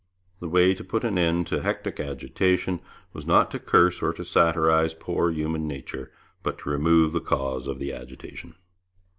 The way to put an end to hectic agitation was not to curse or to satirize poor human nature, but to remove the cause of the agitation.